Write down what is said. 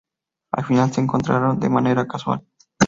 Al final se encontrarán de manera "casual".